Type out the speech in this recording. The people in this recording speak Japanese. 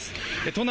都内